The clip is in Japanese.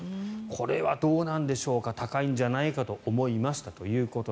これはどうなんでしょうか高いんじゃないでしょうかと。